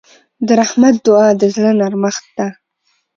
د رحمت دعا د زړه نرمښت ده.